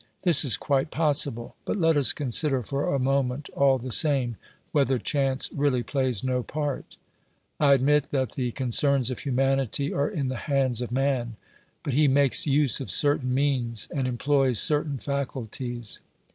This is quite possible, but let us consider for a moment all the same whether chance really plays no part. I admit that the concerns of humanity are in the hands of man, but he makes use of certain means and employs certain faculties.